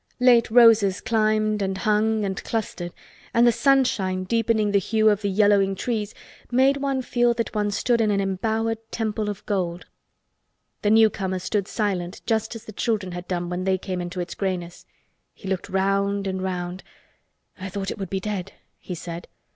Late roses climbed and hung and clustered and the sunshine deepening the hue of the yellowing trees made one feel that one, stood in an embowered temple of gold. The newcomer stood silent just as the children had done when they came into its grayness. He looked round and round. "I thought it would be dead," he said.